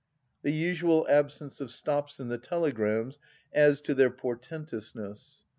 The usual absence of stops in the telegrams adds to their por tentousness.